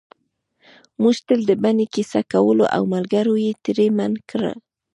موږک تل د بنۍ کیسه کوله او ملګرو یې ترې منع کړ